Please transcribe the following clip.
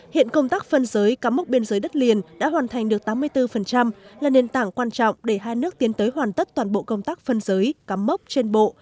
hiện công tác phân giới cắm mốc biên giới đất liền đã hoàn thành được tám mươi bốn là nền tảng quan trọng để hai nước tiến tới hoàn tất toàn bộ công tác phân giới cắm mốc trên bộ